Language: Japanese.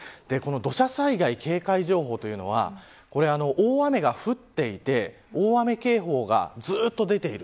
土砂災害警戒情報というのは大雨が降っていて大雨警報がずっと出ている。